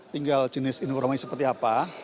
tinggal jenis inovanya seperti apa